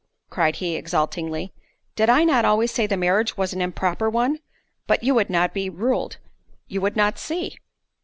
cried he, exultingly, "did I not always say the marriage was an improper one? but you would not be ruled—you would not see."